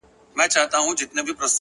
خاموش کار تر لوړ غږ اغېزمن دی.